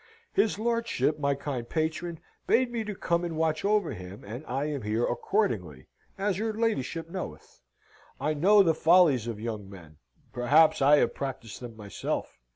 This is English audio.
His lordship, my kind patron, bade me to come and watch over him, and I am here accordingly, as your ladyship knoweth. I know the follies of young men. Perhaps I have practised them myself.